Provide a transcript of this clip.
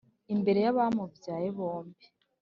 imbere yaba mubyaye bombi